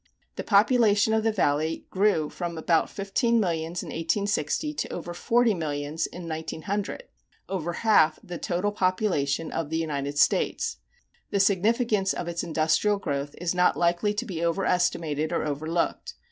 The population of the Valley grew from about fifteen millions in 1860 to over forty millions in 1900 over half the total population of the United States. The significance of its industrial growth is not likely to be overestimated or overlooked.